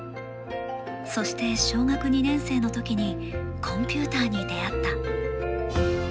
そして、小学２年生のときにコンピューターに出会った。